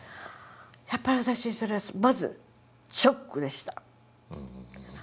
やっぱり私それはまずショックでした。